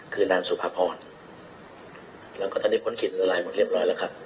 คือนานสุภาพรแล้วก็ตอนนี้ค้นขึ้นลายหมดเรียบร้อยแล้วครับ